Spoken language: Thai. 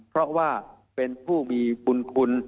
เพราะว่าเป็นผู้มีบุญคุณ